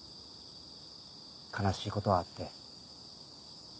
悲しいことはあって。